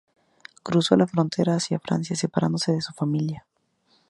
Cruzó la frontera hacia Francia, separándose de su familia.